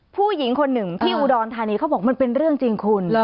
ผู้หญิงคนหนึ่งที่อุดรธานีเขาบอกมันเป็นเรื่องจริงคุณ